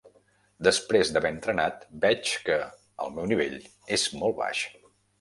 Després d'haver entrenat, veig que el meu nivell és molt baix.